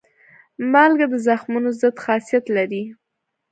مالګه د زخمونو ضد خاصیت لري.